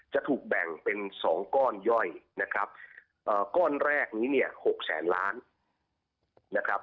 จะถูกแบ่งเป็น๒ก้อนย่อยนะครับก้อนแรกนี้เนี่ย๖แสนล้านนะครับ